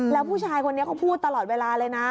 แล้วผู้ชายคนนี้เขาพูดตลอดเวลาเลยนะ